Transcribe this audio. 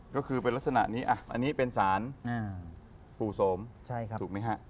ก็คือเป็นลักษณะนี้อันนี้เป็นสารปู่โสมถูกไหมฮะ